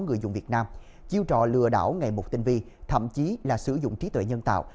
người dùng việt nam chiêu trò lừa đảo ngày một tinh vi thậm chí là sử dụng trí tuệ nhân tạo